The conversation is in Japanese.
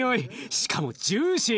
しかもジューシー！